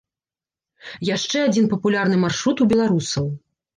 Яшчэ адзін папулярны маршрут у беларусаў.